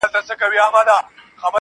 o سیاه پوسي ده، ورځ نه ده شپه ده.